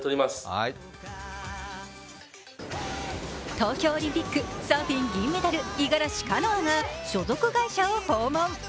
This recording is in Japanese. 東京オリンピックサーフィン銀メダル、五十嵐カノアが所属会社を訪問。